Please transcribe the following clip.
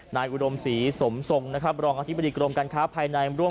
นายอุรมสีสมสมรองธิบดีการงารข้าพัยในนัย